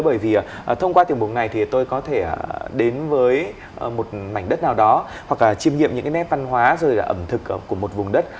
bởi vì thông qua tiểu mục này thì tôi có thể đến với một mảnh đất nào đó hoặc chiêm nghiệm những cái nét văn hóa rồi là ẩm thực của một vùng đất